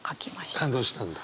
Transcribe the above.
感動したんだ？